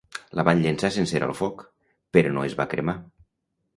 La van llençar sencera al foc, però no es va cremar.